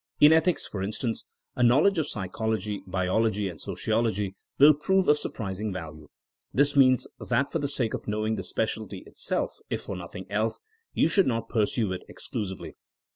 In ethics, for instance, a knowledge of psychology, biology and sociology will prove of surprising valne. This means that for the sake of knowing the specialty it self, if for nothing else, you should not pursue it exclusively.